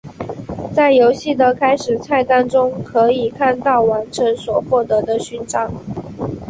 在游戏的开始菜单中可以看到完成所获得的勋章。